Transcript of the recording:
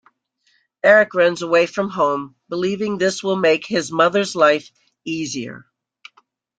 Erik runs away from home believing this will make his mother's life easier.